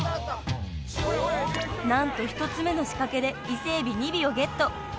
［何と１つ目の仕掛けで伊勢えび２尾をゲット］